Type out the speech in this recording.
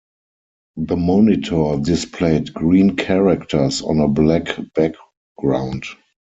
The monitor displayed green characters on a black background.